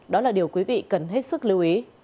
đó là điều quý vị cần hết sức lưu ý